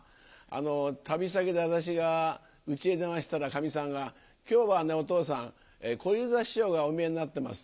旅先で私が家へ電話したらかみさんが「今日はねお父さん小遊三師匠がおみえになってます」。